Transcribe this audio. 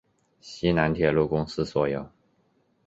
西南铁路公司所有。